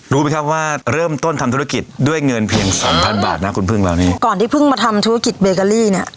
รู้ไหมครับว่าเริ่มต้นทำธุรกิจด้วยเงินเพียงสองพันบาทนะคุณพึ่งเรานี่ก่อนที่เพิ่งมาทำธุรกิจเบเกอรี่เนี้ย